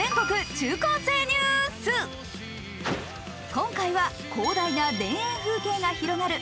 今回は広大な田園風景が広がる